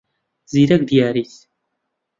زیرەک دیاریت.